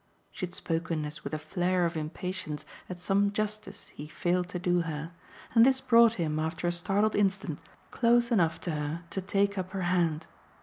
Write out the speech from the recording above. She had spoken as with a flare of impatience at some justice he failed to do her, and this brought him after a startled instant close enough to her to take up her hand.